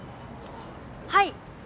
はい。